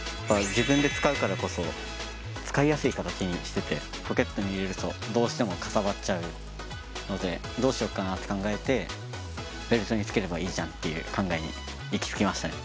自分で使うからこそ使いやすい形にしててポケットに入れるとどうしてもかさばっちゃうのでどうしよっかなって考えてベルトにつければいいじゃんっていう考えに行き着きましたね。